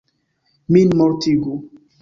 Min mortigu!